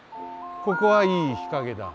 ここはいい日陰だ。